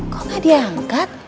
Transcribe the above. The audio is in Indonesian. kok ga diangkat